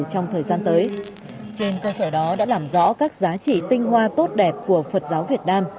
trên cơ sở đó đã làm rõ các giá trị tinh hoa tốt đẹp của phật giáo việt nam